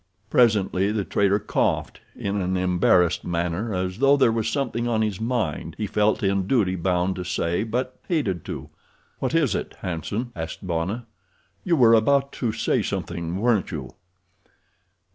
Presently the trader coughed in an embarrassed manner as though there was something on his mind he felt in duty bound to say, but hated to. "What is it, Hanson?" asked Bwana. "You were about to say something weren't you?"